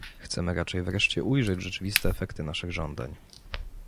Chcemy raczej wreszcie ujrzeć rzeczywiste efekty naszych żądań